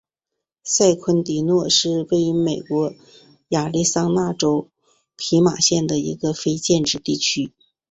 塞昆迪诺是位于美国亚利桑那州皮马县的一个非建制地区。